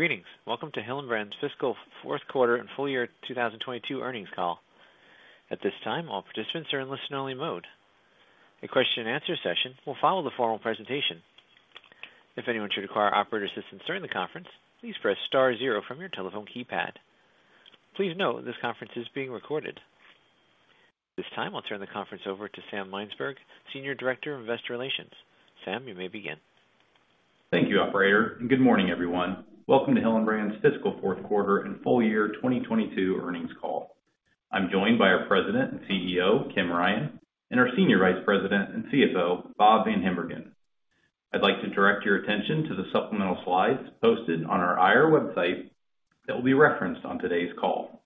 Greetings. Welcome to Hillenbrand's fiscal fourth quarter and full year 2022 earnings call. At this time, all participants are in listen-only mode. A question-and-answer session will follow the formal presentation. If anyone should require operator assistance during the conference, please press star zero from your telephone keypad. Please note this conference is being recorded. This time, I'll turn the conference over to Sam Mynsberge, Senior Director of Investor Relations. Sam, you may begin. Thank you, operator, and good morning, everyone. Welcome to Hillenbrand's fiscal fourth quarter and full year 2022 earnings call. I'm joined by our President and CEO, Kim Ryan, and our Senior Vice President and CFO, Bob VanHimbergen. I'd like to direct your attention to the supplemental slides posted on our I.R. website that will be referenced on today's call.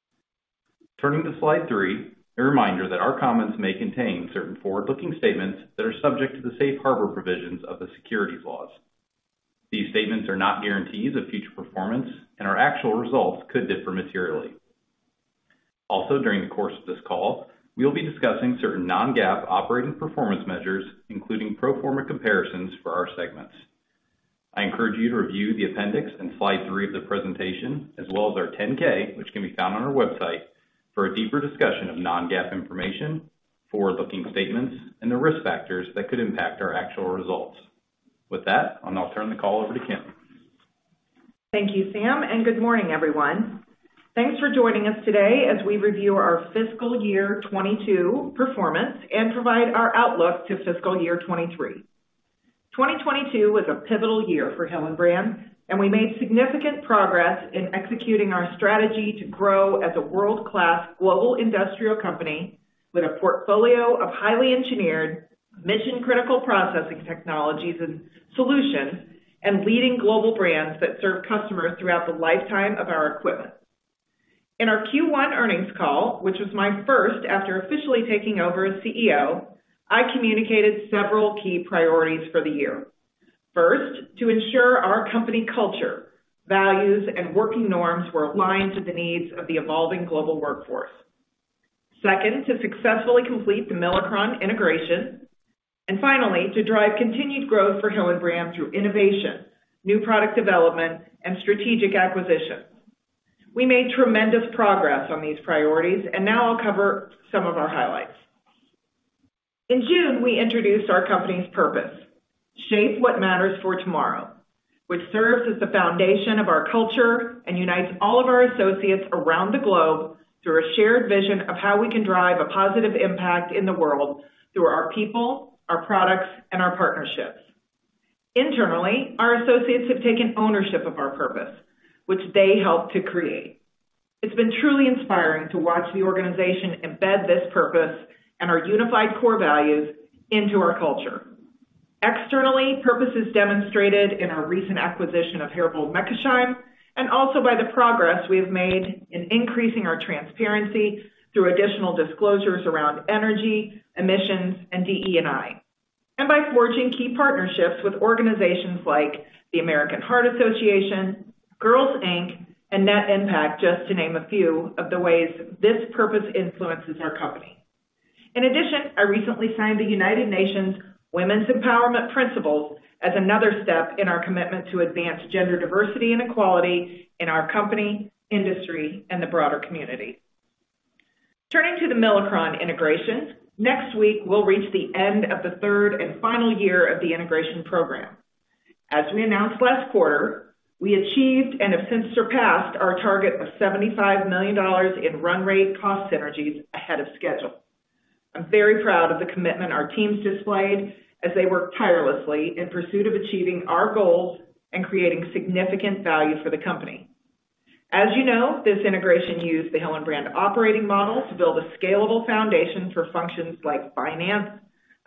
Turning to slide three, a reminder that our comments may contain certain forward-looking statements that are subject to the safe harbor provisions of the securities laws. These statements are not guarantees of future performance and our actual results could differ materially. Also, during the course of this call, we will be discussing certain non-GAAP operating performance measures, including pro forma comparisons for our segments. I encourage you to review the appendix on slide three of the presentation as well as our 10-K, which can be found on our website, for a deeper discussion of non-GAAP information, forward-looking statements, and the risk factors that could impact our actual results. With that, I'll now turn the call over to Kim. Thank you, Sam, and good morning, everyone. Thanks for joining us today as we review our fiscal year 2022 performance and provide our outlook to fiscal year 2023. 2022 was a pivotal year for Hillenbrand, and we made significant progress in executing our strategy to grow as a world-class global industrial company with a portfolio of highly engineered mission-critical processing technologies and solutions and leading global brands that serve customers throughout the lifetime of our equipment. In our Q1 earnings call, which was my first after officially taking over as CEO, I communicated several key priorities for the year. First, to ensure our company culture, values, and working norms were aligned to the needs of the evolving global workforce. Second, to successfully complete the Milacron integration. Finally, to drive continued growth for Hillenbrand through innovation, new product development, and strategic acquisitions. We made tremendous progress on these priorities, and now I'll cover some of our highlights. In June, we introduced our company's purpose, Shape What Matters For Tomorrow, which serves as the foundation of our culture and unites all of our associates around the globe through a shared vision of how we can drive a positive impact in the world through our people, our products, and our partnerships. Internally, our associates have taken ownership of our purpose, which they helped to create. It's been truly inspiring to watch the organization embed this purpose and our unified core values into our culture. Externally, purpose is demonstrated in our recent acquisition of Herbold Meckesheim, and also by the progress we have made in increasing our transparency through additional disclosures around energy, emissions, and DE&I. By forging key partnerships with organizations like the American Heart Association, Girls Inc., and Net Impact, just to name a few of the ways this purpose influences our company. In addition, I recently signed the United Nations Women's Empowerment Principles as another step in our commitment to advance gender diversity and equality in our company, industry, and the broader community. Turning to the Milacron integration, next week we'll reach the end of the third and final year of the integration program. As we announced last quarter, we achieved and have since surpassed our target of $75 million in run rate cost synergies ahead of schedule. I'm very proud of the commitment our teams displayed as they worked tirelessly in pursuit of achieving our goals and creating significant value for the company. As you know, this integration used the Hillenbrand Operating Model to build a scalable foundation for functions like finance,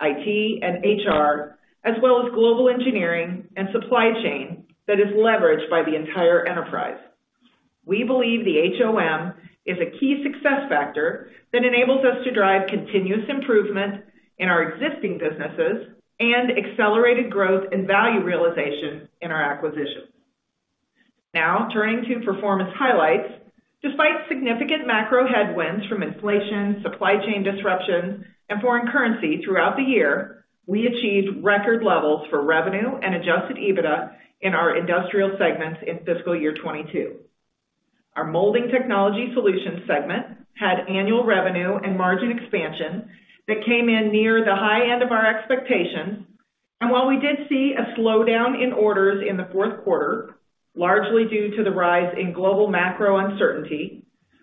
IT, and HR, as well as global engineering and supply chain that is leveraged by the entire enterprise. We believe the HOM is a key success factor that enables us to drive continuous improvement in our existing businesses and accelerated growth and value realization in our acquisitions. Now, turning to performance highlights. Despite significant macro headwinds from inflation, supply chain disruptions, and foreign currency throughout the year, we achieved record levels for revenue and adjusted EBITDA in our industrial segments in fiscal year 2022. Our Molding Technology Solutions segment had annual revenue and margin expansion that came in near the high end of our expectations. While we did see a slowdown in orders in the fourth quarter, largely due to the rise in global macro uncertainty,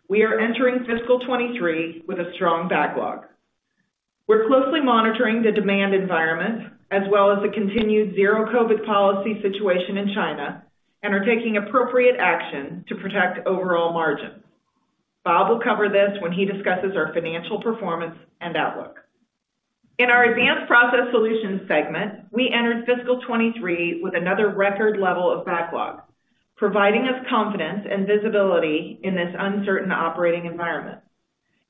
we are entering fiscal 2023 with a strong backlog. We're closely monitoring the demand environment as well as the continued zero COVID policy situation in China and are taking appropriate action to protect overall margins. Bob will cover this when he discusses our financial performance and outlook. In our Advanced Process Solutions segment, we entered fiscal 2023 with another record level of backlog, providing us confidence and visibility in this uncertain operating environment.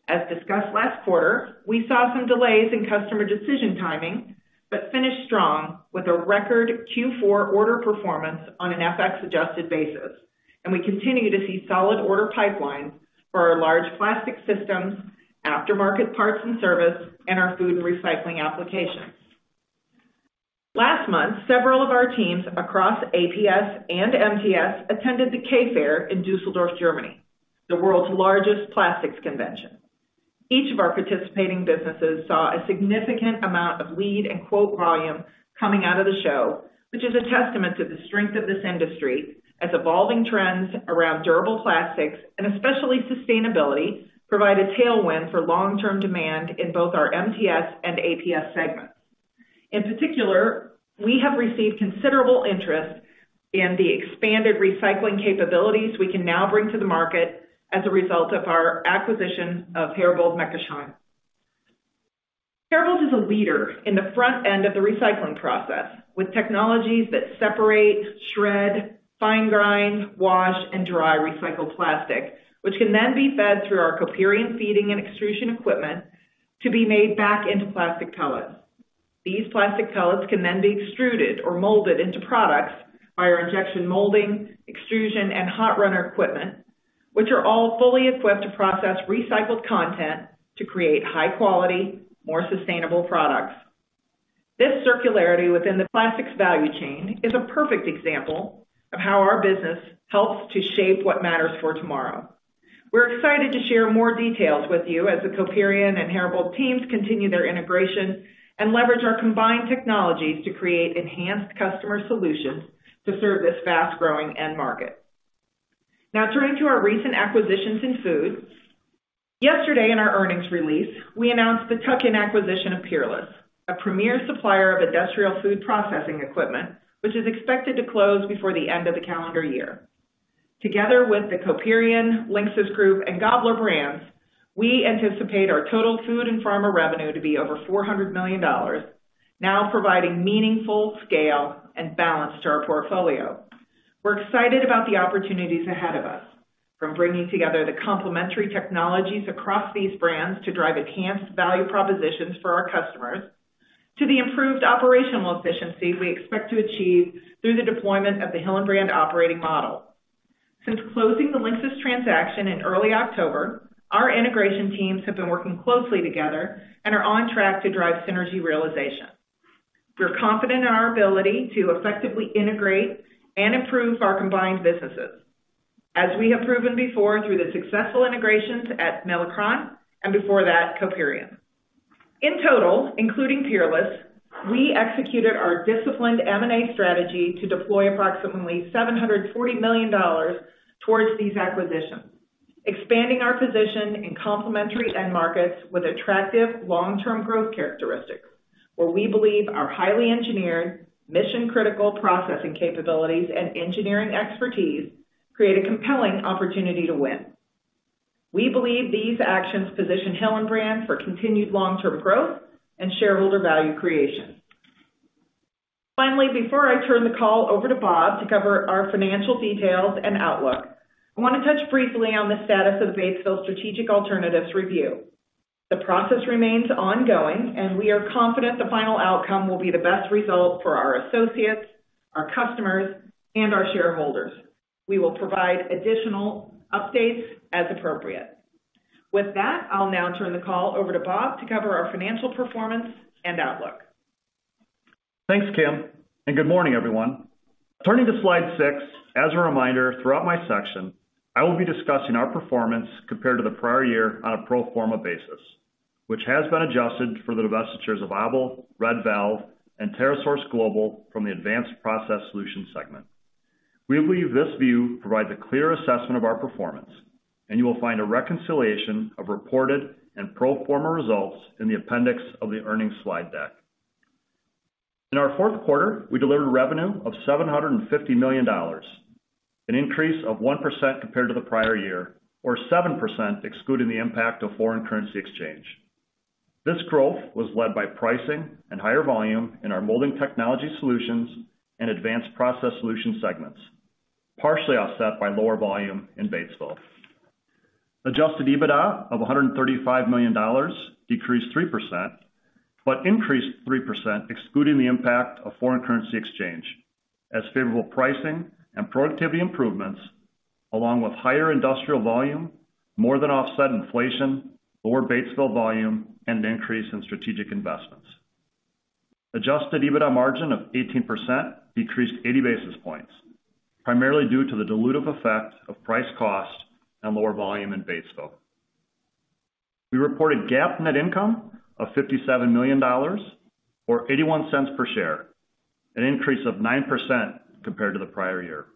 As discussed last quarter, we saw some delays in customer decision timing, but finished strong with a record Q4 order performance on an FX-adjusted basis, and we continue to see solid order pipelines for our large plastic systems, aftermarket parts and service, and our food and recycling applications. Last month, several of our teams across APS and MTS attended the K Fair in Düsseldorf, Germany, the world's largest plastics convention. Each of our participating businesses saw a significant amount of lead and quote volume coming out of the show, which is a testament to the strength of this industry as evolving trends around durable plastics and especially sustainability provide a tailwind for long-term demand in both our MTS and APS segments. In particular, we have received considerable interest in the expanded recycling capabilities we can now bring to the market as a result of our acquisition of Herbold Meckesheim. Herbold is a leader in the front end of the recycling process, with technologies that separate, shred, fine grind, wash, and dry recycled plastic, which can then be fed through our Coperion feeding and extrusion equipment to be made back into plastic pellets. These plastic pellets can then be extruded or molded into products by our injection molding, extrusion, and hot runner equipment, which are all fully equipped to process recycled content to create high-quality, more sustainable products. This circularity within the plastics value chain is a perfect example of how our business helps to Shape What Matters For Tomorrow. We're excited to share more details with you as the Coperion and Herbold teams continue their integration and leverage our combined technologies to create enhanced customer solutions to serve this fast-growing end market. Now turning to our recent acquisitions in food. Yesterday in our earnings release, we announced the tuck-in acquisition of Peerless, a premier supplier of industrial food processing equipment, which is expected to close before the end of the calendar year. Together with the Coperion, LINXIS Group, and Gabler brands, we anticipate our total food and pharma revenue to be over $400 million, now providing meaningful scale and balance to our portfolio. We're excited about the opportunities ahead of us, from bringing together the complementary technologies across these brands to drive enhanced value propositions for our customers, to the improved operational efficiency we expect to achieve through the deployment of the Hillenbrand Operating Model. Since closing the LINXIS transaction in early October, our integration teams have been working closely together and are on track to drive synergy realization. We're confident in our ability to effectively integrate and improve our combined businesses, as we have proven before through the successful integrations at Milacron, and before that, Coperion. In total, including Peerless, we executed our disciplined M&A strategy to deploy approximately $740 million towards these acquisitions, expanding our position in complementary end markets with attractive long-term growth characteristics, where we believe our highly engineered, mission-critical processing capabilities and engineering expertise create a compelling opportunity to win. We believe these actions position Hillenbrand for continued long-term growth and shareholder value creation. Finally, before I turn the call over to Bob to cover our financial details and outlook, I want to touch briefly on the status of the Batesville strategic alternatives review. The process remains ongoing, and we are confident the final outcome will be the best result for our associates, our customers, and our shareholders. We will provide additional updates as appropriate. With that, I'll now turn the call over to Bob to cover our financial performance and outlook. Thanks, Kim, and good morning, everyone. Turning to slide six, as a reminder, throughout my section, I will be discussing our performance compared to the prior year on a pro forma basis, which has been adjusted for the divestitures of ABEL, Red Valve, and TerraSource Global from the Advanced Process Solutions segment. We believe this view provides a clear assessment of our performance, and you will find a reconciliation of reported and pro forma results in the appendix of the earnings slide deck. In our fourth quarter, we delivered revenue of seven hundred and fifty million dollars, an increase of one percent compared to the prior year or seven percent excluding the impact of foreign currency exchange. This growth was led by pricing and higher volume in our Molding Technology Solutions and Advanced Process Solutions segments, partially offset by lower volume in Batesville. Adjusted EBITDA of $135 million decreased 3%, but increased 3% excluding the impact of foreign currency exchange, as favorable pricing and productivity improvements, along with higher industrial volume, more than offset inflation, lower Batesville volume, and an increase in strategic investments. Adjusted EBITDA margin of 18% decreased 80 basis points, primarily due to the dilutive effect of price cost and lower volume in Batesville. We reported GAAP net income of $57 million or $0.81 per share, an increase of 9% compared to the prior year.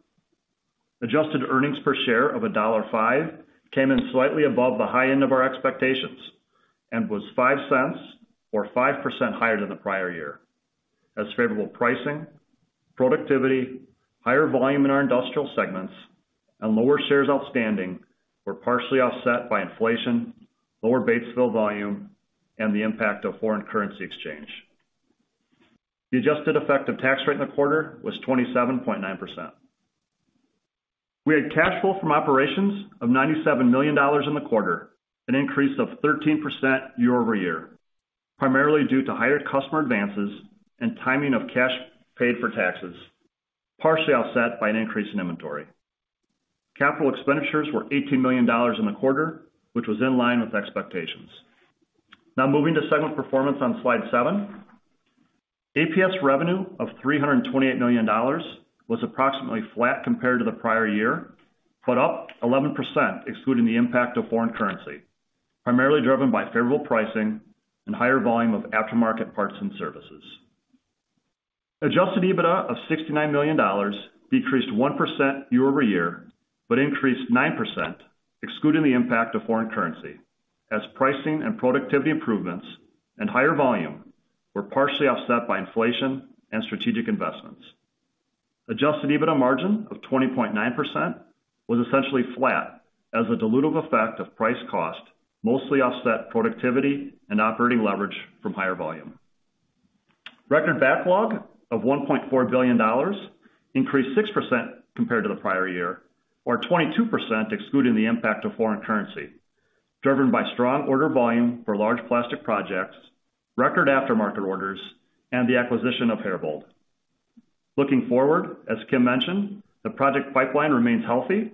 Adjusted earnings per share of $1.05 came in slightly above the high end of our expectations and was $0.05 or 5% higher than the prior year. As favorable pricing, productivity, higher volume in our industrial segments and lower shares outstanding were partially offset by inflation, lower Batesville volume, and the impact of foreign currency exchange. The adjusted effective tax rate in the quarter was 27.9%. We had cash flow from operations of $97 million in the quarter, an increase of 13% year-over-year, primarily due to higher customer advances and timing of cash paid for taxes, partially offset by an increase in inventory. Capital expenditures were $18 million in the quarter, which was in line with expectations. Now moving to segment performance on slide seven. APS revenue of $328 million was approximately flat compared to the prior year, but up 11% excluding the impact of foreign currency, primarily driven by favorable pricing and higher volume of aftermarket parts and services. Adjusted EBITDA of $69 million decreased 1% year-over-year, but increased 9% excluding the impact of foreign currency, as pricing and productivity improvements and higher volume were partially offset by inflation and strategic investments. Adjusted EBITDA margin of 20.9% was essentially flat as the dilutive effect of price cost mostly offset productivity and operating leverage from higher volume. Record backlog of $1.4 billion increased 6% compared to the prior year or 22% excluding the impact of foreign currency, driven by strong order volume for large plastic projects, record aftermarket orders, and the acquisition of Herbold. Looking forward, as Kim mentioned, the project pipeline remains healthy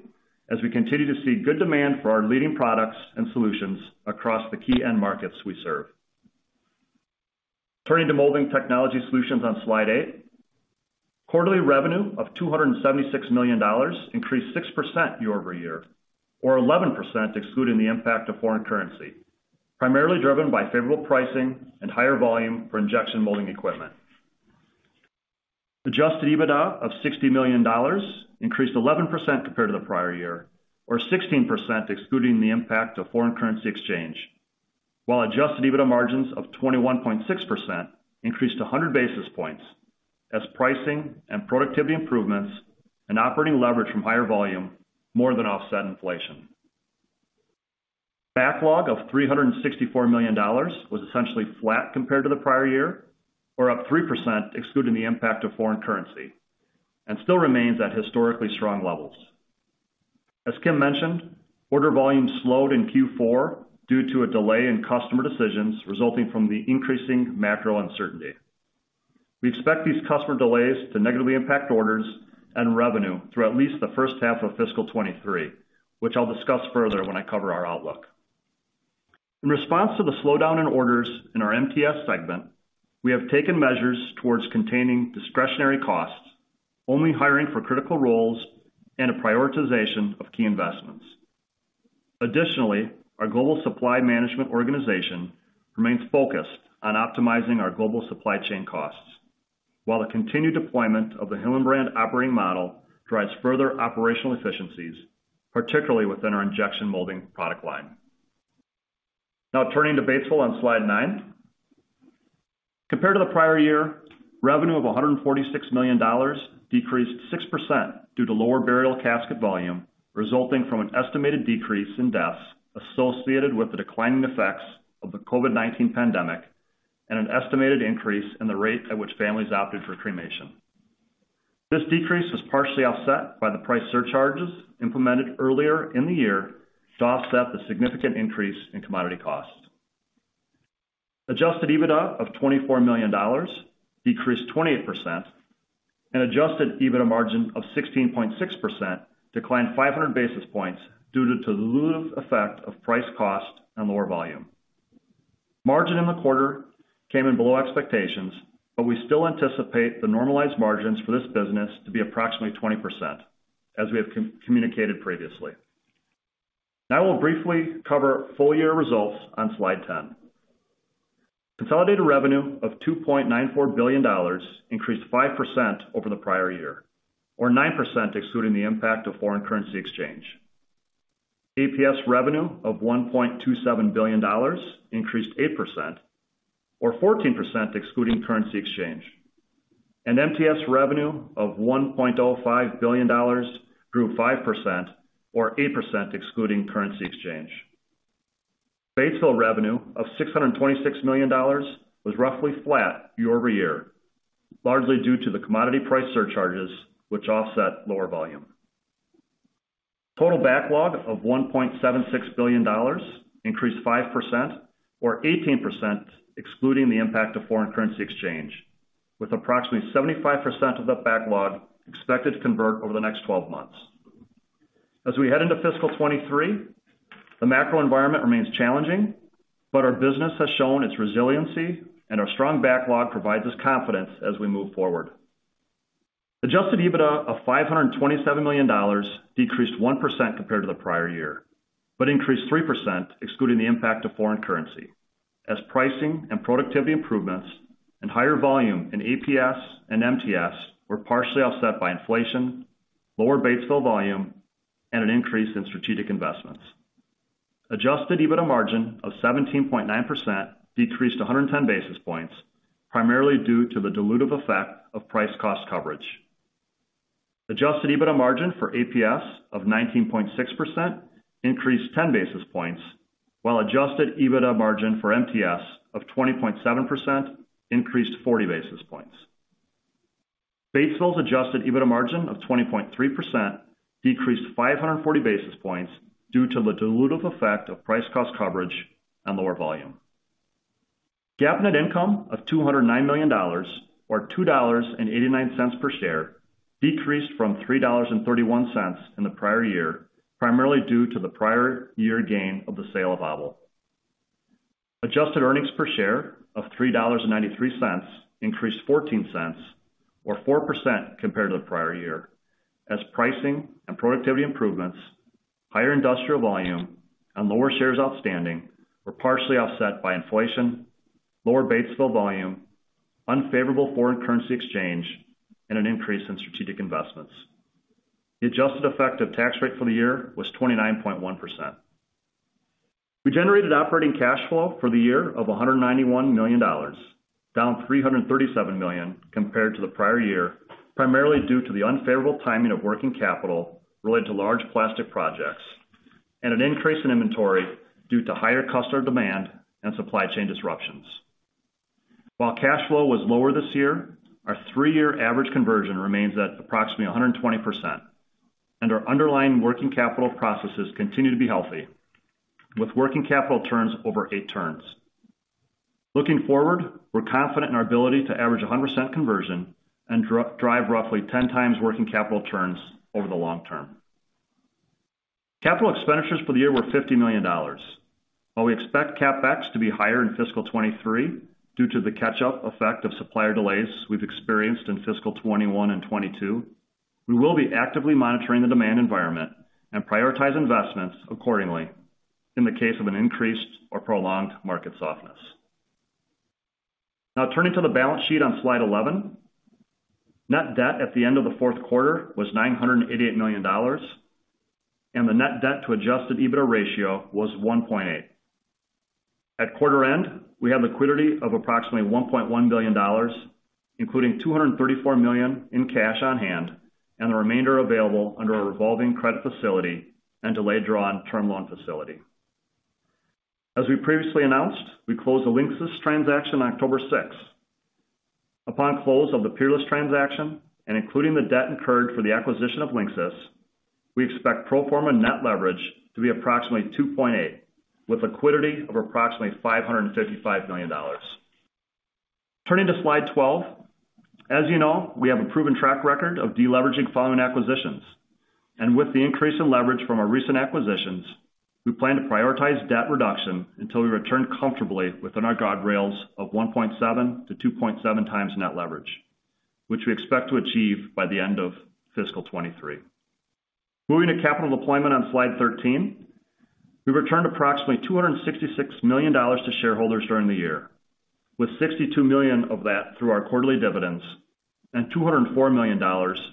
as we continue to see good demand for our leading products and solutions across the key end markets we serve. Turning to Molding Technology Solutions on slide eight. Quarterly revenue of $276 million increased 6% year-over-year or 11% excluding the impact of foreign currency, primarily driven by favorable pricing and higher volume for injection molding equipment. Adjusted EBITDA of $60 million increased 11% compared to the prior year or 16% excluding the impact of foreign currency exchange, while adjusted EBITDA margins of 21.6% increased 100 basis points as pricing and productivity improvements and operating leverage from higher volume more than offset inflation. Backlog of $364 million was essentially flat compared to the prior year or up 3% excluding the impact of foreign currency, and still remains at historically strong levels. As Kim mentioned, order volume slowed in Q4 due to a delay in customer decisions resulting from the increasing macro uncertainty. We expect these customer delays to negatively impact orders and revenue through at least the first half of fiscal 2023, which I'll discuss further when I cover our outlook. In response to the slowdown in orders in our MTS segment, we have taken measures towards containing discretionary costs, only hiring for critical roles and a prioritization of key investments. Additionally, our global supply management organization remains focused on optimizing our global supply chain costs, while the continued deployment of the Hillenbrand Operating Model drives further operational efficiencies, particularly within our injection molding product line. Now turning to Batesville on slide nine. Compared to the prior year, revenue of $146 million decreased 6% due to lower burial casket volume resulting from an estimated decrease in deaths associated with the declining effects of the COVID-19 pandemic, and an estimated increase in the rate at which families opted for cremation. This decrease was partially offset by the price surcharges implemented earlier in the year to offset the significant increase in commodity costs. Adjusted EBITDA of $24 million decreased 28% and adjusted EBITDA margin of 16.6% declined 500 basis points due to the dilutive effect of price-cost and lower volume. Margin in the quarter came in below expectations, but we still anticipate the normalized margins for this business to be approximately 20%, as we have communicated previously. Now we'll briefly cover full-year results on slide 10. Consolidated revenue of $2.94 billion increased 5% over the prior year or 9% excluding the impact of foreign currency exchange. APS revenue of $1.27 billion increased 8% or 14% excluding currency exchange. MTS revenue of $1.05 billion grew 5% or 8% excluding currency exchange. Batesville revenue of $626 million was roughly flat year-over-year, largely due to the commodity price surcharges which offset lower volume. Total backlog of $1.76 billion increased 5% or 18% excluding the impact of foreign currency exchange, with approximately 75% of the backlog expected to convert over the next 12 months. As we head into fiscal 2023, the macro environment remains challenging, but our business has shown its resiliency and our strong backlog provides us confidence as we move forward. Adjusted EBITDA of $527 million decreased 1% compared to the prior year, but increased 3% excluding the impact of foreign currency as pricing and productivity improvements and higher volume in APS and MTS were partially offset by inflation, lower Batesville volume, and an increase in strategic investments. Adjusted EBITDA margin of 17.9% decreased 110 basis points, primarily due to the dilutive effect of price cost coverage. Adjusted EBITDA margin for APS of 19.6% increased 10 basis points, while adjusted EBITDA margin for MTS of 20.7% increased 40 basis points. Batesville's adjusted EBITDA margin of 20.3% decreased 540 basis points due to the dilutive effect of price-cost coverage and lower volume. GAAP net income of $209 million or $2.89 per share decreased from $3.31 in the prior year, primarily due to the prior year gain of the sale of ABEL. Adjusted earnings per share of $3.93 increased $0.14 or 4% compared to the prior year, as pricing and productivity improvements, higher industrial volume and lower shares outstanding were partially offset by inflation, lower Batesville volume, unfavorable foreign currency exchange, and an increase in strategic investments. The adjusted effective tax rate for the year was 29.1%. We generated operating cash flow for the year of $191 million, down $337 million compared to the prior year, primarily due to the unfavorable timing of working capital related to large plastic projects and an increase in inventory due to higher customer demand and supply chain disruptions. While cash flow was lower this year, our three-year average conversion remains at approximately 120%, and our underlying working capital processes continue to be healthy, with working capital turns over eight turns. Looking forward, we're confident in our ability to average 100% conversion and drive roughly 10 times working capital turns over the long term. Capital expenditures for the year were $50 million. While we expect CapEx to be higher in fiscal 2023 due to the catch-up effect of supplier delays we've experienced in fiscal 2021 and 2022, we will be actively monitoring the demand environment and prioritize investments accordingly in the case of an increased or prolonged market softness. Now turning to the balance sheet on slide 11. Net debt at the end of the fourth quarter was $988 million, and the net debt to adjusted EBITDA ratio was 1.8x. At quarter end, we have liquidity of approximately $1.1 billion, including $234 million in cash on hand and the remainder available under our revolving credit facility and delayed draw on term loan facility. As we previously announced, we closed the LINXIS transaction on October 6th. Upon close of the Peerless transaction and including the debt incurred for the acquisition of LINXIS, we expect pro forma net leverage to be approximately 2.8x, with liquidity of approximately $555 million. Turning to slide 12. As you know, we have a proven track record of deleveraging following acquisitions. With the increase in leverage from our recent acquisitions, we plan to prioritize debt reduction until we return comfortably within our guardrails of 1.7x-2.7x net leverage, which we expect to achieve by the end of fiscal 2023. Moving to Capital Deployment on slide 13. We returned approximately $266 million to shareholders during the year, with $62 million of that through our quarterly dividends and $204 million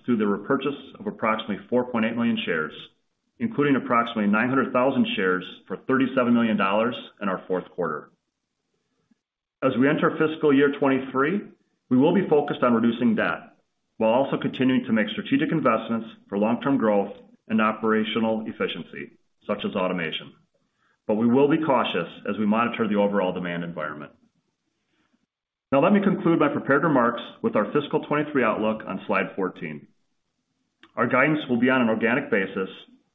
through the repurchase of approximately 4.8 million shares, including approximately 900,000 shares for $37 million in our fourth quarter. As we enter fiscal year 2023, we will be focused on reducing debt, while also continuing to make strategic investments for long-term growth and operational efficiency, such as automation. We will be cautious as we monitor the overall demand environment. Now let me conclude my prepared remarks with our fiscal 2023 outlook on slide 14. Our guidance will be on an organic basis,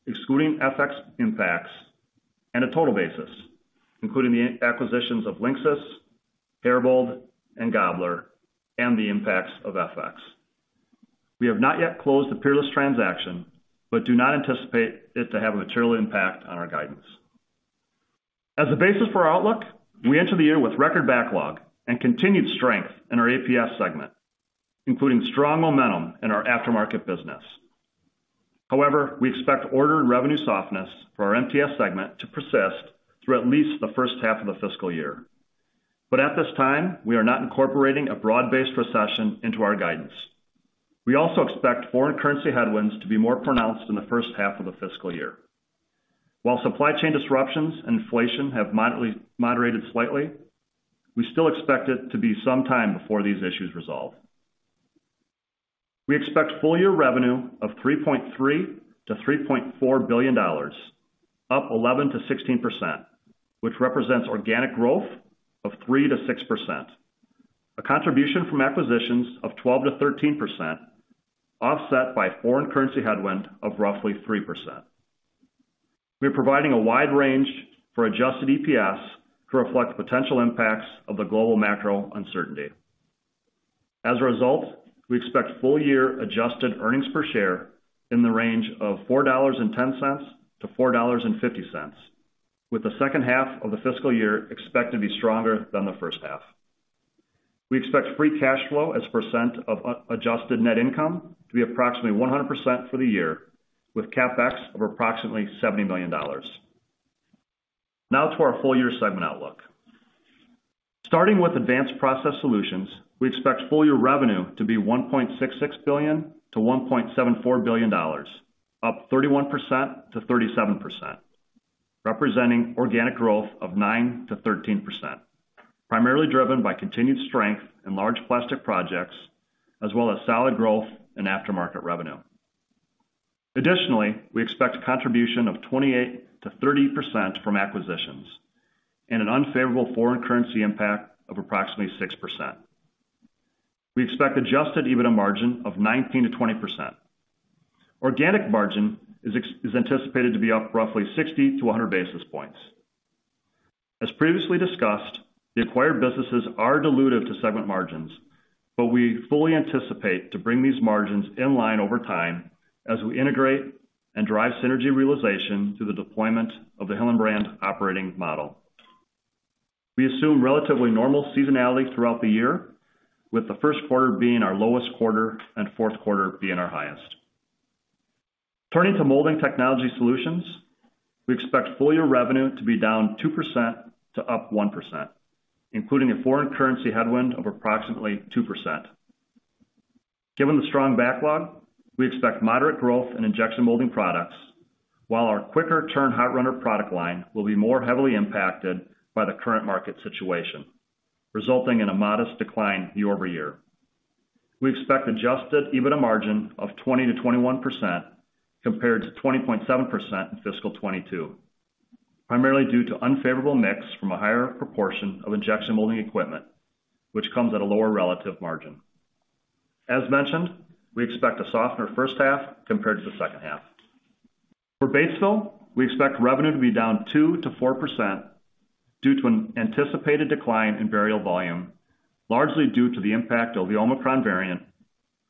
excluding FX impacts and a total basis, including the acquisitions of LINXIS, Herbold, and Gabler, and the impacts of FX. We have not yet closed the Peerless transaction, but do not anticipate it to have a material impact on our guidance. As a basis for our outlook, we enter the year with record backlog and continued strength in our APS segment, including strong momentum in our aftermarket business. However, we expect order and revenue softness for our MTS segment to persist through at least the first half of the fiscal year. At this time, we are not incorporating a broad-based recession into our guidance. We also expect foreign currency headwinds to be more pronounced in the first half of the fiscal year. While supply chain disruptions and inflation have moderated slightly, we still expect it to be some time before these issues resolve. We expect full-year revenue of $3.3 billion-$3.4 billion, up 11%-16%, which represents organic growth of 3%-6%. A contribution from acquisitions of 12%-13%, offset by foreign currency headwind of roughly 3%. We're providing a wide range for adjusted EPS to reflect potential impacts of the global macro uncertainty. As a result, we expect full-year adjusted earnings per share in the range of $4.10-$4.50, with the second half of the fiscal year expected to be stronger than the first half. We expect free cash flow as a percent of adjusted net income to be approximately 100% for the year, with CapEx of approximately $70 million. Now to our full-year segment outlook. `Starting with advanced process solutions, we expect full-year revenue to be $1.66 billion-$1.74 billion, up to 31%-37%, representing organic growth of 9%-13%, primarily driven by continued strength in large plastic projects as well as solid growth and aftermarket revenue. Additionally, we expect a contribution of 28%-30% from acquisitions and an unfavorable foreign currency impact of approximately 6%. We expect adjusted EBITDA margin of 19%-20%. Organic margin is anticipated to be up roughly 60 to 100 basis points. As previously discussed, the acquired businesses are dilutive to segment margins but we fully anticipate to bring these margins in line over time as we integrate and drive synergy realization through the deployment of the Hillenbrand operating model. We assume relatively normal seasonality throughout the year, with the first quarter being our lowest quarter and fourth quarter being our highest. Turning to Molding Technology Solutions, we expect full-year revenue to be down 2% to up 1%, including a foreign currency headwind of approximately 2%. Given the strong backlog, we expect moderate growth in injection molding products, while our quicker turn Hot Runner product line will be more heavily impacted by the current market situation, resulting in a modest decline year-over-year. We expect adjusted EBITDA margin of 20%-21% compared to 20.7% in fiscal 2022, primarily due to unfavorable mix from a higher proportion of injection molding equipment, which comes at a lower relative margin. As mentioned, we expect to soften our first half compared to the second half. For Batesville, we expect revenue to be down 2%-4% due to an anticipated decline in burial volume, largely due to the impact of the Omicron variant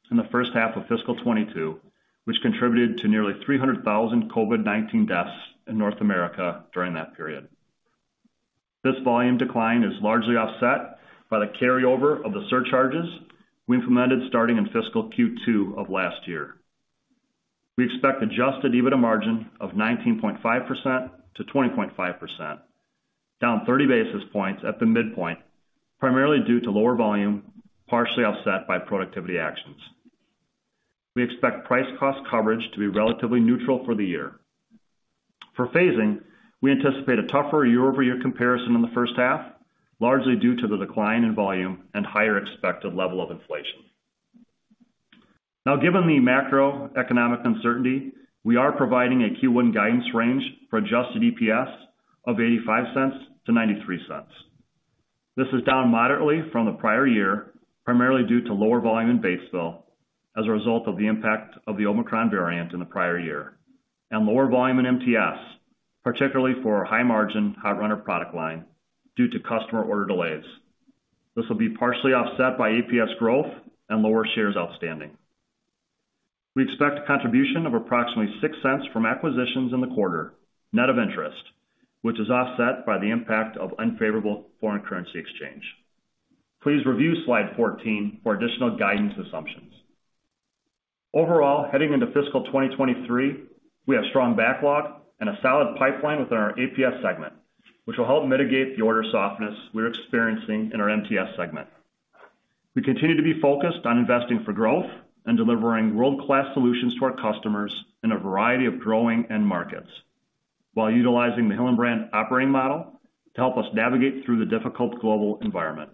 in the first half of fiscal 2022, which contributed to nearly 300,000 COVID-19 deaths in North America during that period. This volume decline is largely offset by the carryover of the surcharges we implemented starting in fiscal Q2 of last year. We expect adjusted EBITDA margin of 19.5%-20.5%, down 30 basis points at the midpoint, primarily due to lower volume, partially offset by productivity actions. We expect price-cost coverage to be relatively neutral for the year. For phasing, we anticipate a tougher year-over-year comparison in the first half, largely due to the decline in volume and higher expected level of inflation. Now, given the macroeconomic uncertainty, we are providing a Q1 guidance range for adjusted EPS of $0.85-$0.93. This is down moderately from the prior year, primarily due to lower volume in Batesville as a result of the impact of the Omicron variant in the prior year, and lower volume in MTS, particularly for our high-margin hot runner product line, due to customer order delays. This will be partially offset by EPS growth and lower shares outstanding. We expect a contribution of approximately $0.06 from acquisitions in the quarter, net of interest, which is offset by the impact of unfavorable foreign currency exchange. Please review slide 14 for additional guidance assumptions. Overall, heading into fiscal 2023, we have strong backlog and a solid pipeline within our APS segment, which will help mitigate the order softness we're experiencing in our MTS segment. We continue to be focused on investing for growth and delivering world-class solutions to our customers in a variety of growing end markets while utilizing the Hillenbrand Operating Model to help us navigate through the difficult global environment.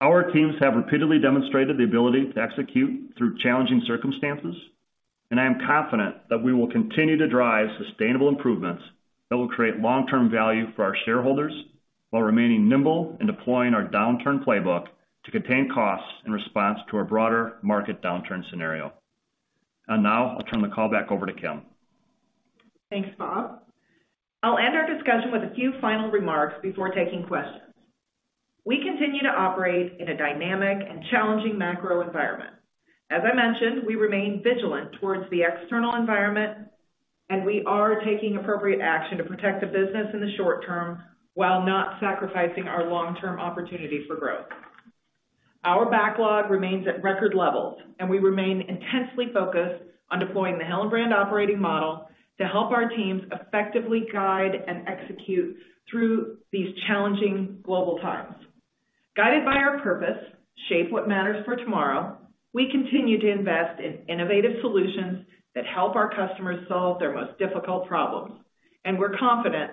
Our teams have repeatedly demonstrated the ability to execute through challenging circumstances, and I am confident that we will continue to drive sustainable improvements that will create long-term value for our shareholders while remaining nimble and deploying our downturn playbook to contain costs in response to our broader market downturn scenario. Now I'll turn the call back over to Kim. Thanks, Bob. I'll end our discussion with a few final remarks before taking questions. We continue to operate in a dynamic and challenging macro environment. As I mentioned, we remain vigilant towards the external environment, and we are taking appropriate action to protect the business in the short term while not sacrificing our long-term opportunity for growth. Our backlog remains at record levels, and we remain intensely focused on deploying the Hillenbrand Operating Model to help our teams effectively guide and execute through these challenging global times. Guided by our purpose, Shape What Matters For Tomorrow, we continue to invest in innovative solutions that help our customers solve their most difficult problems, and we're confident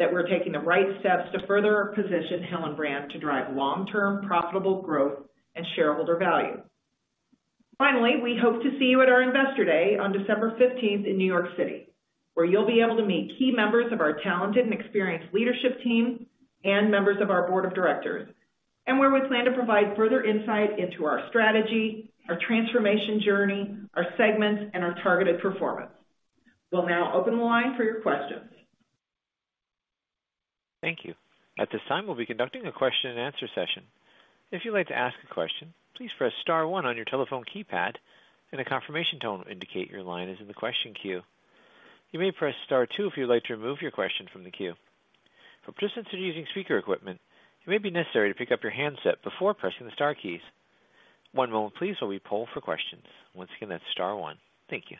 that we're taking the right steps to further position Hillenbrand to drive long-term profitable growth and shareholder value. Finally, we hope to see you at our Investor Day on December 15th in New York City, where you'll be able to meet key members of our talented and experienced leadership team and members of our board of directors, and where we plan to provide further insight into our strategy, our transformation journey, our segments, and our targeted performance. We'll now open the line for your questions. Thank you. At this time, we'll be conducting a question-and-answer session. If you'd like to ask a question, please press star one on your telephone keypad, and a confirmation tone will indicate your line is in the question queue. You may press star two if you'd like to remove your question from the queue. For participants who are using speaker equipment, it may be necessary to pick up your handset before pressing the star keys. One moment, please, while we poll for questions. Once again, that's star one. Thank you.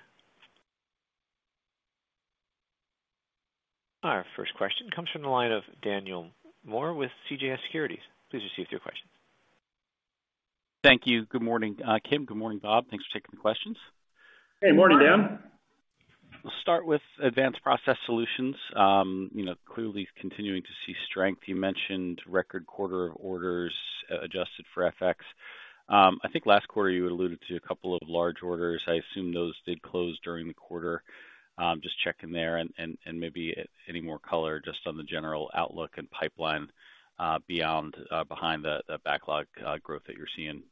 Our first question comes from the line of Daniel Moore with CJS Securities. Please proceed with your question. Thank you. Good morning, Kim. Good morning, Bob. Thanks for taking the questions. Good morning, Daniel. I'll start with Advanced Process Solutions. You know, clearly continuing to see strength. You mentioned record quarter of orders adjusted for FX. I think last quarter you alluded to a couple of large orders. I assume those did close during the quarter. Just checking there and maybe any more color just on the general outlook and pipeline behind the backlog growth that you're seeing,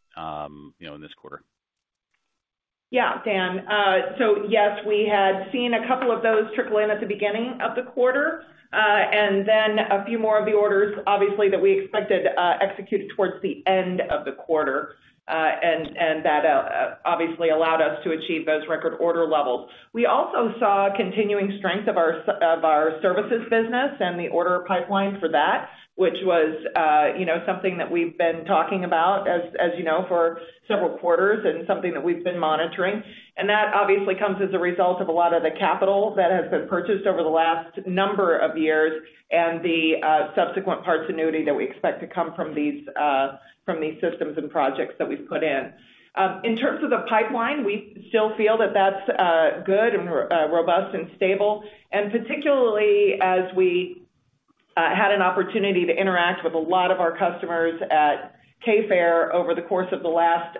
you know, in this quarter. Yeah, Dan. Yes, we had seen a couple of those trickle in at the beginning of the quarter. A few more of the orders obviously that we expected executed towards the end of the quarter. That obviously allowed us to achieve those record order levels. We also saw continuing strength of our services business and the order pipeline for that, which was, you know, something that we've been talking about as you know, for several quarters and something that we've been monitoring. That obviously comes as a result of a lot of the capital that has been purchased over the last number of years and the subsequent parts annuity that we expect to come from these systems and projects that we've put in. In terms of the pipeline, we still feel that that's good and robust and stable. Particularly as we had an opportunity to interact with a lot of our customers at K Fair over the course of the last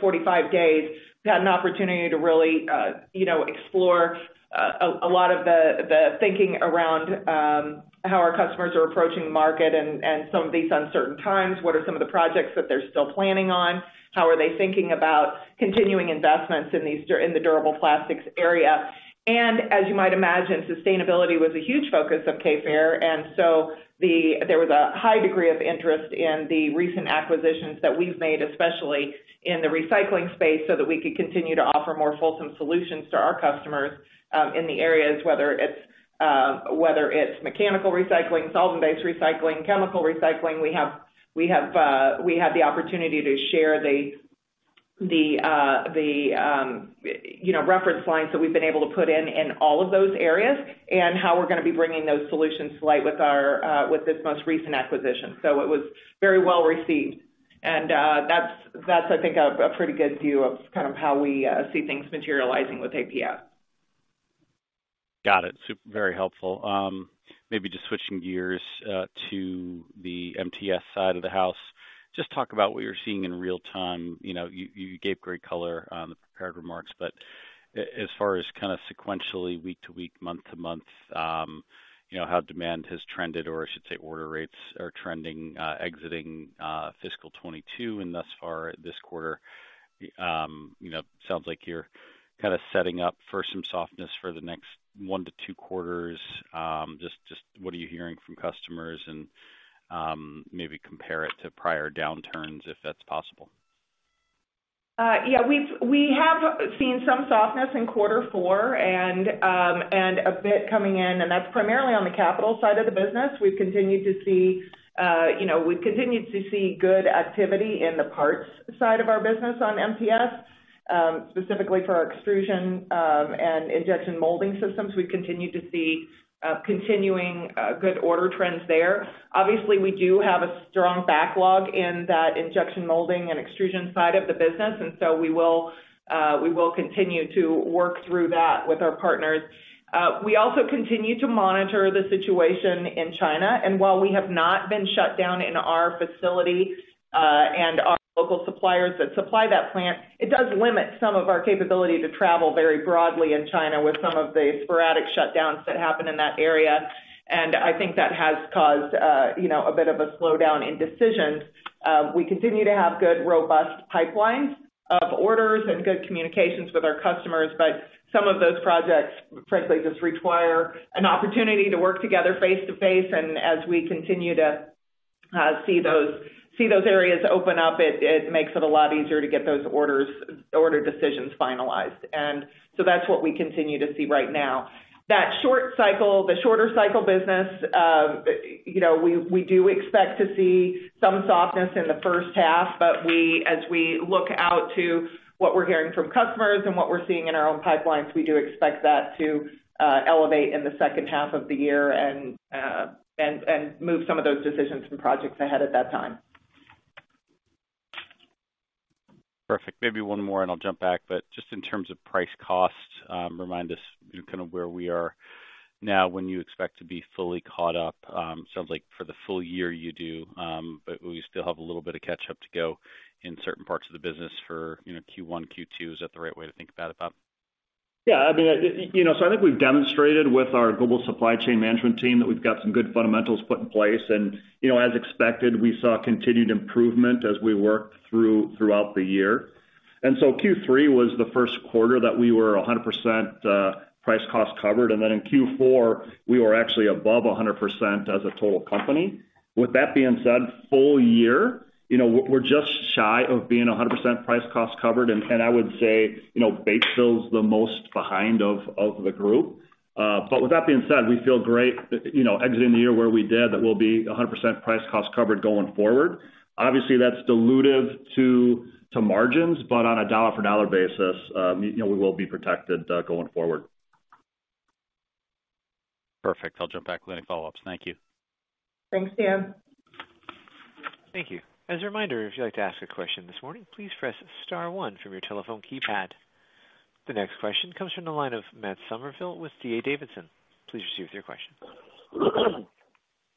45 days, had an opportunity to really, you know, explore a lot of the thinking around how our customers are approaching the market and some of these uncertain times, what are some of the projects that they're still planning on. How are they thinking about continuing investments in the durable plastics area? As you might imagine, sustainability was a huge focus of K Fair. There was a high degree of interest in the recent acquisitions that we've made, especially in the recycling space, so that we could continue to offer more fulsome solutions to our customers in the areas, whether it's mechanical recycling, solvent-based recycling, chemical recycling. We had the opportunity to share the, you know, reference lines that we've been able to put in in all of those areas and how we're gonna be bringing those solutions to light with this most recent acquisition. It was very well received. That's I think a pretty good view of kind of how we see things materializing with APS. Got it. Very helpful. Maybe just switching gears to the MTS side of the house. Just talk about what you're seeing in real time. You know, you gave great color on the prepared remarks, but as far as kind of sequentially week-to-week, month-to-month, you know how demand has trended, or I should say order rates are trending, exiting fiscal 2022 and thus far this quarter. You know, sounds like you're kind of setting up for some softness for the next one to two quarters. Just what are you hearing from customers and maybe compare it to prior downturns if that's possible? Yeah, we have seen some softness in quarter four and a bit coming in. That's primarily on the capital side of the business. We've continued to see, you know, good activity in the parts side of our business on MTS, specifically for our extrusion and injection molding systems. We've continued to see continuing good order trends there. Obviously, we do have a strong backlog in that injection molding and extrusion side of the business. We will continue to work through that with our partners. We also continue to monitor the situation in China, and while we have not been shut down in our facility and our local suppliers that supply that plant, it does limit some of our capability to travel very broadly in China with some of the sporadic shutdowns that happen in that area. I think that has caused, you know, a bit of a slowdown in decisions. We continue to have good, robust pipelines of orders and good communications with our customers, but some of those projects frankly just require an opportunity to work together face-to-face. As we continue to see those areas open up, it makes it a lot easier to get those order decisions finalized. That's what we continue to see right now. The shorter cycle business, you know, we do expect to see some softness in the first half. As we look out to what we're hearing from customers and what we're seeing in our own pipelines, we do expect that to elevate in the second half of the year and move some of those decisions and projects ahead at that time. Perfect. Maybe one more and I'll jump back. Just in terms of price costs, remind us, you know, kind of where we are now when you expect to be fully caught up. Sounds like for the full year you do, but we still have a little bit of catch-up to go in certain parts of the business for, you know, Q1, Q2. Is that the right way to think about it, Bob? Yeah. I mean, you know, I think we've demonstrated with our global supply chain management team that we've got some good fundamentals put in place. You know, as expected, we saw continued improvement as we worked throughout the year. Q3 was the first quarter that we were 100% price cost covered. In Q4, we were actually above 100% as a total company. With that being said, full year, you know, we're just shy of being 100% price cost covered. I would say, you know, Batesville is the most behind of the group. With that being said, we feel great, you know, exiting the year where we did, that we'll be 100% price cost covered going forward. Obviously, that's dilutive to margins, but on a dollar-for-dollar basis, you know, we will be protected, going forward. Perfect. I'll jump back with any follow-ups. Thank you. Thanks, Dan. Thank you. As a reminder, if you'd like to ask a question this morning, please press star one from your telephone keypad. The next question comes from the line of Matt Summerville with D.A. Davidson. Please proceed with your question.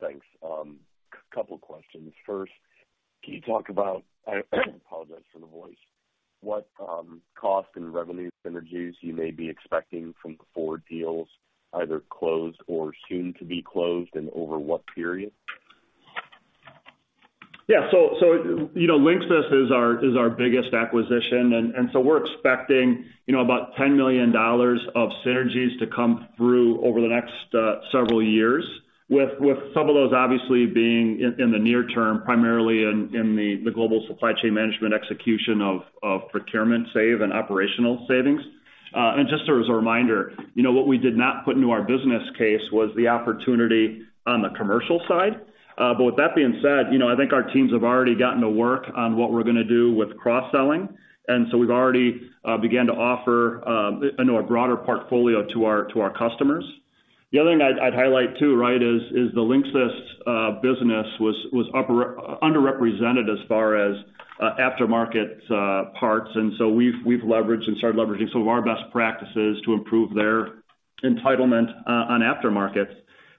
Thanks. A couple questions. First, can you talk about, I apologize for the voice, what cost and revenue synergies you may be expecting from the forward deals either closed or soon to be closed and over what period? Yeah. You know, LINXIS is our biggest acquisition. We're expecting, you know, about $10 million of synergies to come through over the next several years with some of those obviously being in the near term, primarily in the global supply chain management execution of procurement savings and operational savings. Just as a reminder, you know, what we did not put into our business case was the opportunity on the commercial side. With that being said, you know, I think our teams have already gotten to work on what we're gonna do with cross-selling. We've already began to offer, you know, a broader portfolio to our customers. The other thing I'd highlight too, right, is the LINXIS business was underrepresented as far as aftermarket parts. We've leveraged and started leveraging some of our best practices to improve their entitlement on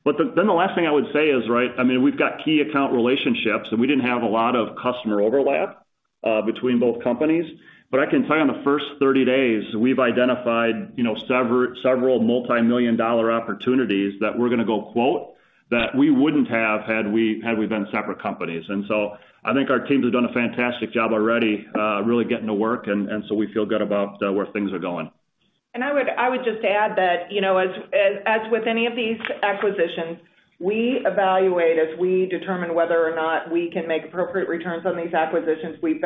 aftermarkets. The last thing I would say is, right, I mean, we've got key account relationships, and we didn't have a lot of customer overlap between both companies. I can tell you on the first 30 days, we've identified, you know, several multimillion-dollar opportunities that we're gonna go quote that we wouldn't have had we been separate companies. I think our teams have done a fantastic job already, really getting to work. We feel good about where things are going. I would just add that, you know, as with any of these acquisitions, we evaluate as we determine whether or not we can make appropriate returns on these acquisitions. We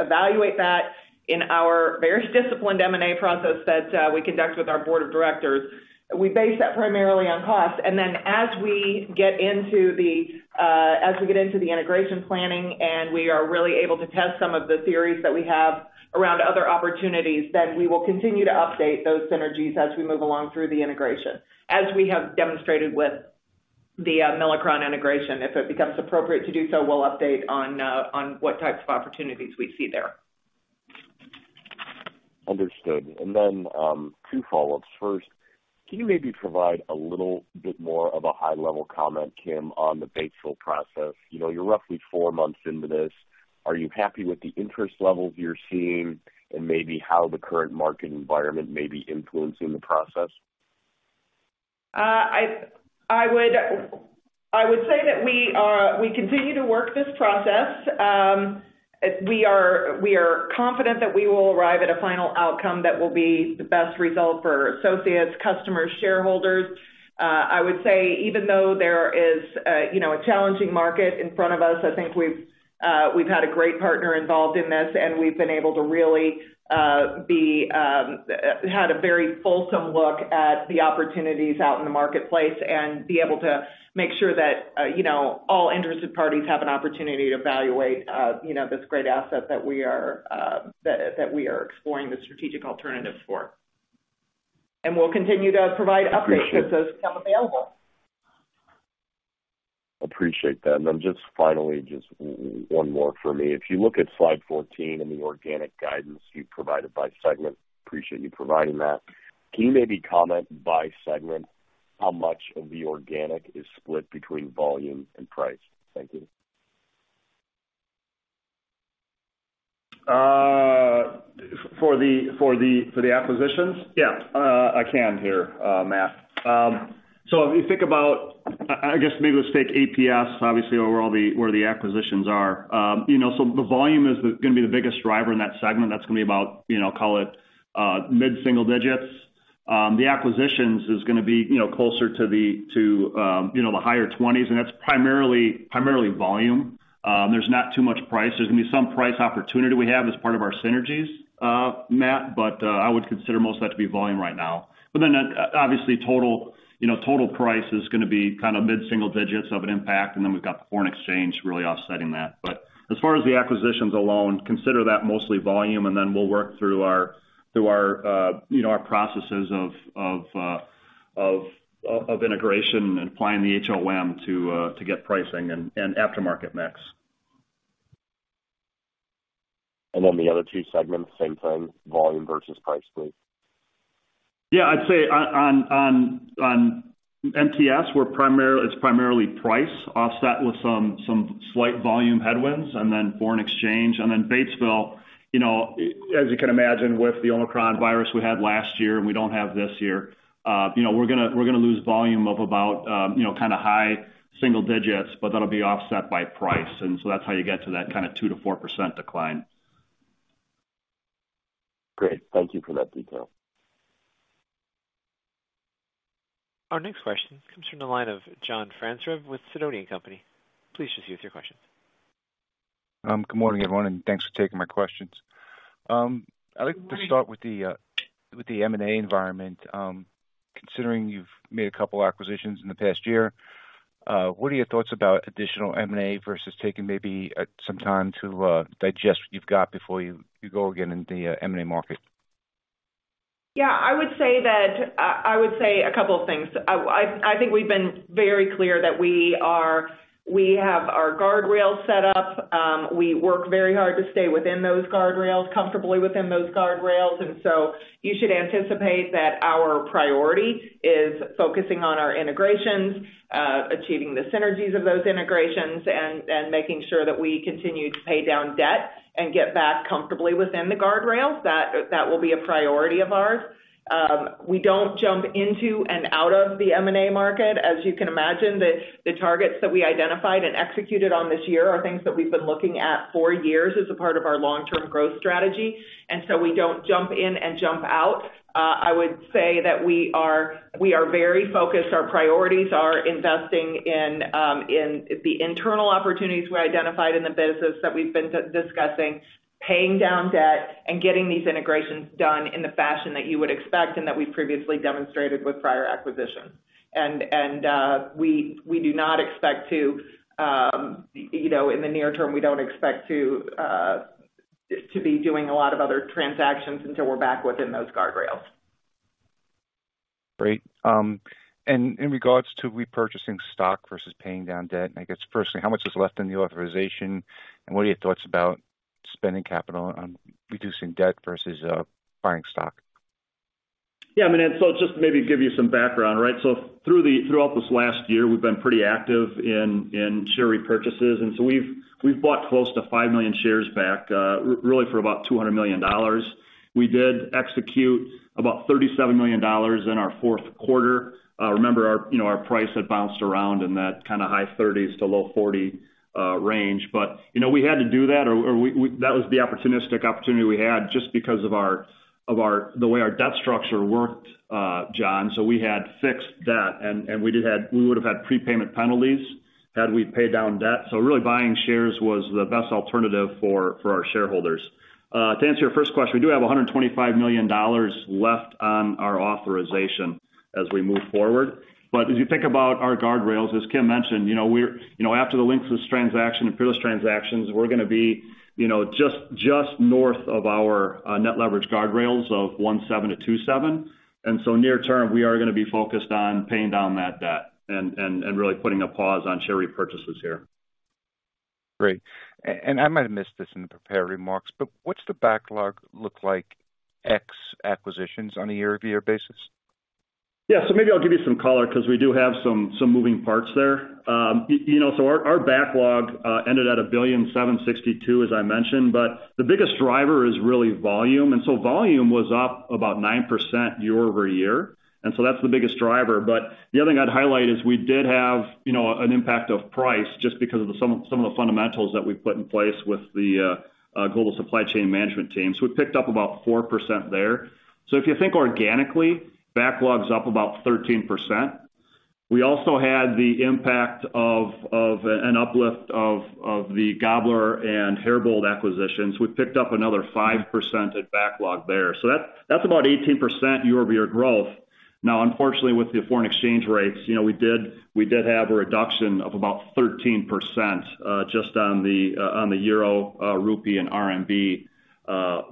evaluate that in our very disciplined M&A process that we conduct with our board of directors. We base that primarily on cost. As we get into the integration planning, and we are really able to test some of the theories that we have around other opportunities, then we will continue to update those synergies as we move along through the integration, as we have demonstrated with the Milacron integration. If it becomes appropriate to do so, we'll update on what types of opportunities we see there. Understood. Two follow-ups. First, can you maybe provide a little bit more of a high-level comment, Kim, on the Batesville process? You know, you're roughly four months into this. Are you happy with the interest levels you're seeing and maybe how the current market environment may be influencing the process? I would say that we continue to work this process. We are confident that we will arrive at a final outcome that will be the best result for associates, customers, shareholders. I would say even though there is, you know, a challenging market in front of us, I think we've had a great partner involved in this, and we've been able to really had a very fulsome look at the opportunities out in the marketplace and be able to make sure that, you know, all interested parties have an opportunity to evaluate, you know, this great asset that we are exploring the strategic alternatives for. We'll continue to provide updates. Appreciate it. As those become available. Appreciate that. Just finally, just one more for me. If you look at slide 14 and the organic guidance you've provided by segment, appreciate you providing that. Can you maybe comment by segment how much of the organic is split between volume and price? Thank you. For the acquisitions? Yeah. I can here, Matt. If you think about, I guess maybe let's take APS, obviously where all the acquisitions are. You know, the volume is gonna be the biggest driver in that segment. That's gonna be about, you know, call it mid-single digits. The acquisitions is gonna be, you know, closer to the higher 20s, and that's primarily volume. There's not too much price. There's gonna be some price opportunity we have as part of our synergies, Matt, but I would consider most of that to be volume right now. Obviously, you know, total price is gonna be kind of mid-single digits of an impact, and then we've got the foreign exchange really offsetting that. As far as the acquisitions alone, consider that mostly volume, and then we'll work through, you know, our processes of integration and applying the HOM to get pricing and aftermarket mix. The other two segments, same thing, volume versus price, please. Yeah, I'd say on MTS, it's primarily price offset with some slight volume headwinds and then foreign exchange. Batesville, you know, as you can imagine, with the Omicron virus we had last year and we don't have this year, you know, we're gonna lose volume of about, you know, kind of high single digits, but that'll be offset by price. That's how you get to that kind of 2%-4% decline. Great. Thank you for that detail. Our next question comes from the line of John Franzreb with Sidoti & Company. Please just give us your question. Um, good morning, everyone, and thanks for taking my questions. Um, I'd like to start with the, uh, with the M&A environment. Um, considering you've made a couple acquisitions in the past year, uh, what are your thoughts about additional M&A versus taking maybe, uh, some time to, uh, digest what you've got before you go again in the, uh, M&A market? Yeah. I would say that-- I would say a couple of things. I, I think we've been very clear that we are-- we have our guardrails set up. Um, we work very hard to stay within those guardrails, comfortably within those guardrails. And so you should anticipate that our priority is focusing on our integrations, uh, achieving the synergies of those integrations and making sure that we continue to pay down debt and get back comfortably within the guardrails. That, that will be a priority of ours. Um, we don't jump into and out of the M&A market. As you can imagine, the targets that we identified and executed on this year are things that we've been looking at for years as a part of our long-term growth strategy, and so we don't jump in and jump out. I would say that we are very focused. Our priorities are investing in the internal opportunities we identified in the business that we've been discussing, paying down debt and getting these integrations done in the fashion that you would expect and that we've previously demonstrated with prior acquisitions. You know, in the near term, we don't expect to be doing a lot of other transactions until we're back within those guardrails. Great. In regards to repurchasing stock versus paying down debt, I guess firstly, how much is left in the authorization? What are your thoughts about spending capital on reducing debt versus buying stock? Yeah, I mean, just maybe give you some background, right? Throughout this last year, we've been pretty active in share repurchases. We've bought close to five million shares back, really for about $200 million. We did execute about $37 million in our fourth quarter. Remember, you know, our price had bounced around in that kind of high $30s-low $40 range. You know, we had to do that or that was the opportunistic opportunity we had just because of the way our debt structure worked, John. Really buying shares was the best alternative for our shareholders. To answer your first question, we do have $125 million left on our authorization as we move forward. As you think about our guardrails, as Kim mentioned, you know, after the LINXIS transaction and Peerless transactions, we're gonna be, you know, just north of our net leverage guardrails of 1.7-2.7. Near term, we are gonna be focused on paying down that debt and really putting a pause on share repurchases here. Great. I might have missed this in the prepared remarks, but what's the backlog look like ex acquisitions on a year-over-year basis? Yeah. Maybe I'll give you some color 'cause we do have some moving parts there. You know, our backlog ended at $1.762 billion, as I mentioned, but the biggest driver is really volume. Volume was up about 9% year-over-year. That's the biggest driver. The other thing I'd highlight is we did have, you know, an impact of price just because of some of the fundamentals that we put in place with the global supply chain management team. We picked up about 4% there. If you think organically, backlog's up about 13%. We also had the impact of an uplift of the Gabler and Herbold acquisitions. We picked up another 5% at backlog there. That's about 18% year-over-year growth. Now, unfortunately, with the foreign exchange rates, you know, we did have a reduction of about 13% just on the euro, rupee, and RMB,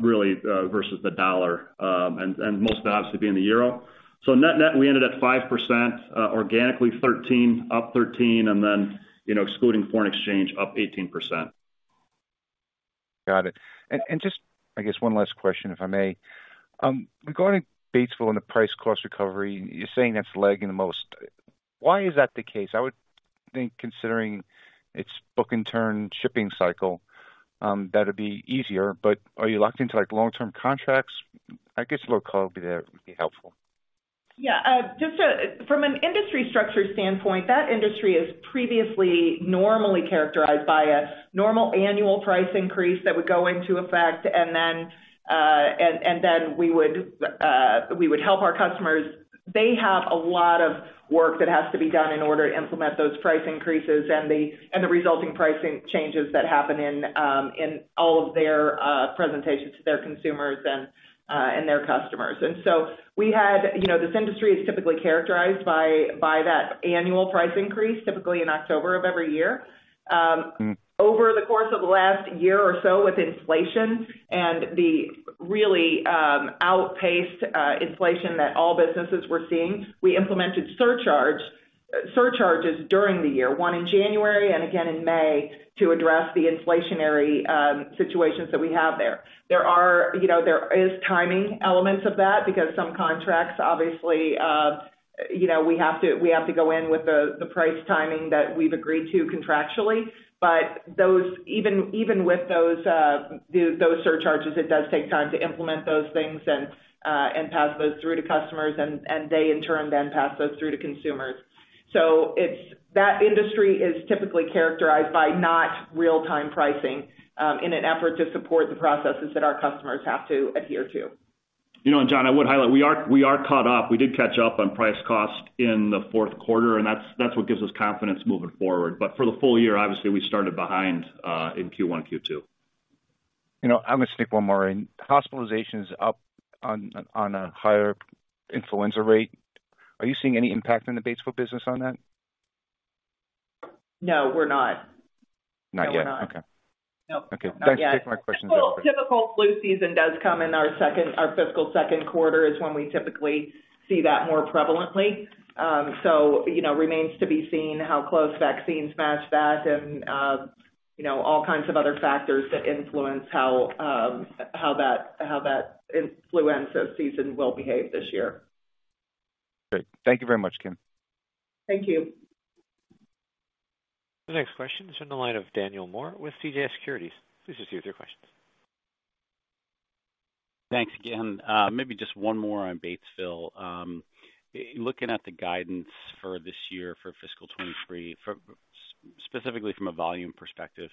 really versus the dollar, and most obviously being the euro. Net-net, we ended at 5% organically, up 13%, and then, you know, excluding foreign exchange, up 18%. Got it. Just, I guess one last question, if I may. Regarding Batesville and the price cost recovery, you're saying that's lagging the most. Why is that the case? I would think considering its book-and-turn shipping cycle, that'd be easier. Are you locked into, like, long-term contracts? I guess a little color there would be helpful. Yeah, just from an industry structure standpoint, that industry is previously normally characterized by a normal annual price increase that would go into effect. We would help our customers. They have a lot of work that has to be done in order to implement those price increases and the resulting pricing changes that happen in all of their presentations to their consumers and their customers. You know, this industry is typically characterized by that annual price increase, typically in October of every year. Over the course of the last year or so with inflation and the really outpaced inflation that all businesses were seeing, we implemented surcharges during the year, one in January and again in May, to address the inflationary situations that we have there. You know, there is timing elements of that because some contracts, obviously, you know, we have to go in with the price timing that we've agreed to contractually. Even with those surcharges, it does take time to implement those things and pass those through to customers, and they in turn then pass those through to consumers. That industry is typically characterized by not real-time pricing in an effort to support the processes that our customers have to adhere to. You know, John, I would highlight, we are caught up. We did catch up on price cost in the fourth quarter, and that's what gives us confidence moving forward. For the full year, obviously we started behind in Q1, Q2. You know, I'm gonna sneak one more in. Hospitalization is up on a higher influenza rate. Are you seeing any impact on the Batesville business on that? No, we're not. Not yet. No, we're not. Okay. Nope. Not yet. Okay. Thanks for taking my questions. Typical flu season does come in our second-- our fiscal second quarter is when we typically see that more prevalently. Um, so, you know, remains to be seen how close vaccines match that and, uh, you know, all kinds of other factors that influence how, um, how that, how that influenza season will behave this year. Great. Thank you very much, Kim. Thank you. The next question is from the line of Daniel Moore with CJS Securities. Please proceed with your questions. Thanks again. Maybe just one more on Batesville. Looking at the guidance for this year for fiscal 2023, specifically from a volume perspective,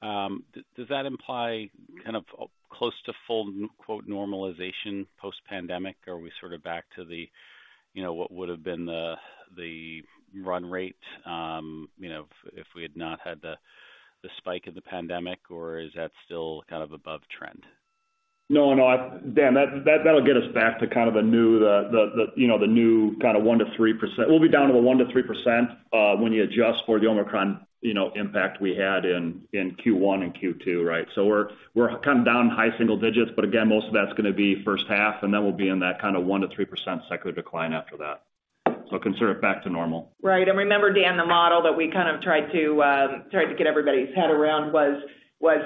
does that imply kind of close to full quote normalization post-pandemic? Are we sort of back to the, you know, what would have been the run rate, you know, if we had not had the spike in the pandemic? Is that still kind of above trend? No, Dan, that'll get us back to, you know, the new kind of 1%-3%. We'll be down to the 1%-3% when you adjust for the Omicron, you know, impact we had in Q1 and Q2, right? We're kind of down high single digits, but again, most of that's gonna be first half, and then we'll be in that kind of 1%-3% secular decline after that. Consider it back to normal. Right. Remember, Dan, the model that we kind of tried to get everybody's head around was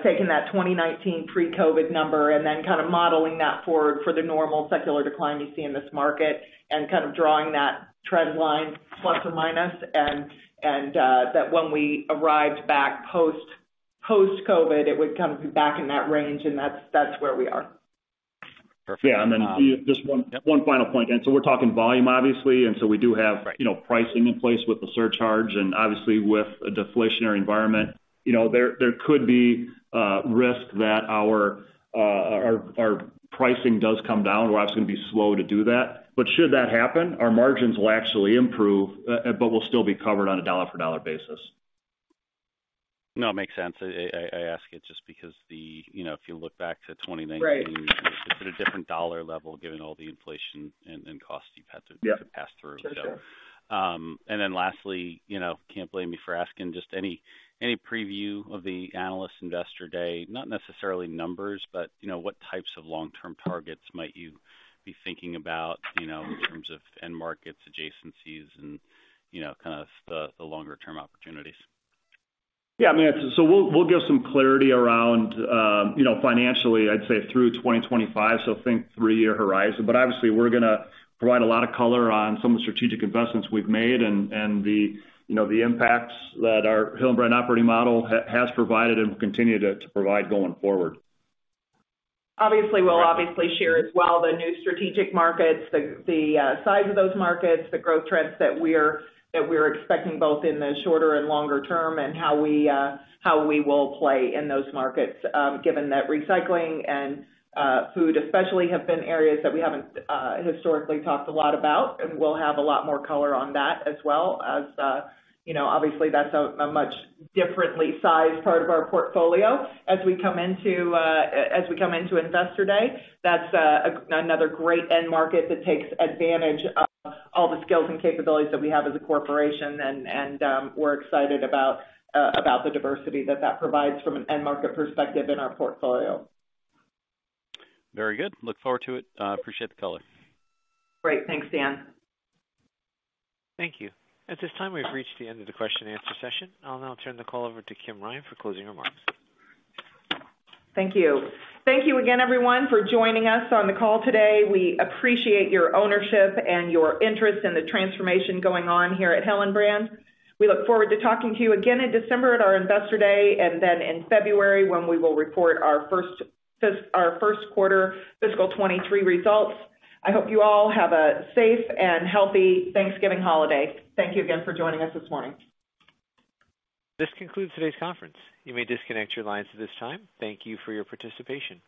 taking that 2019 pre-COVID number and then kind of modeling that for the normal secular decline you see in this market and kind of drawing that trend line ±. That when we arrived back post-COVID, it would come back in that range, and that's where we are. Yeah. Just one final point. We're talking volume, obviously. Right. You know, pricing in place with the surcharge and obviously with a deflationary environment, you know, there could be risk that our pricing does come down. We're obviously gonna be slow to do that. Should that happen, our margins will actually improve, but we'll still be covered on a dollar-for-dollar basis. No, it makes sense. I ask it just because, you know, if you look back to 2019. Right. It's at a different dollar level given all the inflation and costs you've had to pass through. Yeah. Sure. Sure. Lastly, you know, can't blame me for asking, just any preview of the Analyst Investor Day? Not necessarily numbers, but, you know, what types of long-term targets might you be thinking about, you know, in terms of end markets, adjacencies and, you know, kind of the longer-term opportunities? Yeah, I mean, we'll give some clarity around, you know, financially, I'd say through 2025. Think three-year horizon. Obviously, we're gonna provide a lot of color on some of the strategic investments we've made and, you know, the impacts that our Hillenbrand Operating Model has provided and will continue to provide going forward. Obviously, we'll obviously share as well the new strategic markets, the size of those markets, the growth trends that we're expecting both in the shorter and longer term, and how we will play in those markets, given that recycling and food especially have been areas that we haven't historically talked a lot about, and we'll have a lot more color on that as well. As you know, obviously, that's a much differently sized part of our portfolio as we come into Investor Day. That's another great end market that takes advantage of all the skills and capabilities that we have as a corporation. We're excited about the diversity that that provides from an end market perspective in our portfolio. Very good. Look forward to it. Appreciate the color. Great. Thanks, Dan. Thank you. At this time, we've reached the end of the question-and-answer session. I'll now turn the call over to Kim Ryan for closing remarks. Thank you. Thank you again, everyone, for joining us on the call today. We appreciate your ownership and your interest in the transformation going on here at Hillenbrand. We look forward to talking to you again in December at our Investor Day and then in February when we will report our first quarter fiscal 2023 results. I hope you all have a safe and healthy Thanksgiving holiday. Thank you again for joining us this morning. This concludes today's conference. You may disconnect your lines at this time. Thank you for your participation.